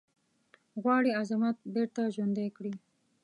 غواړي عظمت بیرته ژوندی کړی.